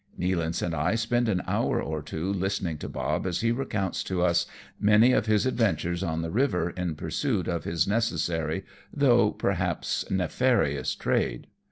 Nealance and I spend an hour or two listening to Bob as he recounts to us many of his adventures on the river in pursuit of his necessary, though perhaps nefarious trade.